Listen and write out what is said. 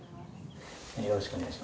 よろしくお願いします。